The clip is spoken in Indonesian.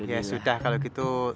ya sudah kalau gitu